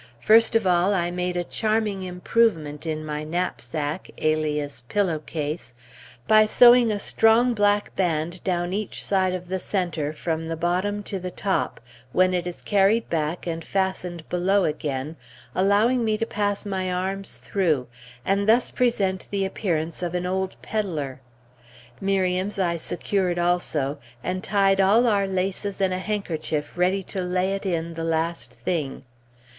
First of all I made a charming improvement in my knapsack, alias pillow case, by sewing a strong black band down each side of the centre from the bottom to the top, when it is carried back and fastened below again, allowing me to pass my arms through, and thus present the appearance of an old peddler. Miriam's I secured also, and tied all our laces in a handkerchief ready to lay it in the last thing.